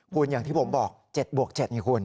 คุณอย่างที่ผมบอก๗บวก๗นี่คุณ